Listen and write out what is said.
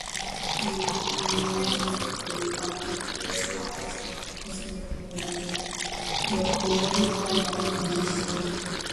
Monusco wanajua kuhusu waasi wa Vikosi vya Kidemokrasia vya Ukombozi kuwa ndani ya jeshi la Jamhuri ya Kidemokrasia ya Kongo.